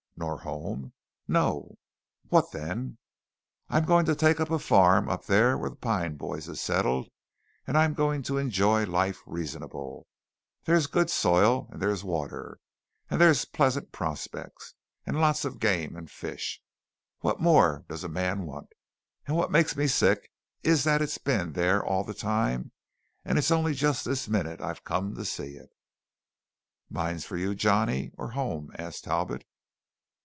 "Nor home?" "No." "What then?" "I'm going to take up a farm up thar whar the Pine boys is settled, and I'm going to enjoy life reasonable. Thar's good soil, and thar's water; thar's pleasant prospects, and lots of game and fish. What more does a man want? And what makes me sick is that it's been thar all the time and it's only just this minute I've come to see it." "Mines for you, Johnny, or home?" asked Talbot.